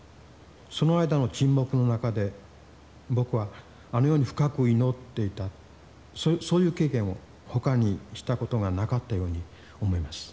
その間の沈黙の中で僕はあのように深く祈っていたそういう経験をほかにしたことがなかったように思います。